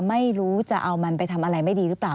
ไม่รู้จะเอามันไปทำอะไรไม่ดีหรือเปล่า